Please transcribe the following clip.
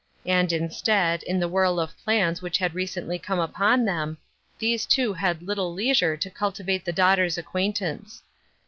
And, indeed, in the whirl of plana which had recently come upon them, these two had little leisure to cultivate the daughters' acquaintance.